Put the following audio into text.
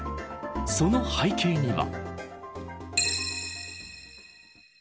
その背景には。